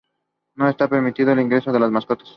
No está permitido el ingreso de mascotas.